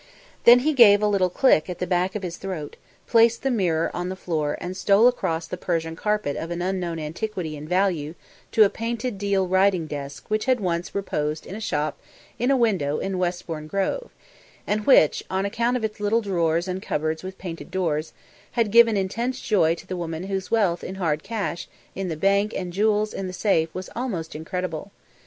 Then he gave a little click at the back of his throat, placed the mirror on the floor and stole across the Persian carpet of an unknown antiquity and value to a painted deal writing desk which had once reposed in a shop window in Westbourne Grove; and which, on account of its little drawers and little cupboards with painted doors, had given intense joy to the woman whose wealth in hard cash in the bank and jewels in the safe was almost incredible.